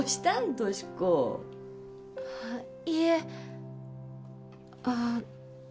俊子いえああ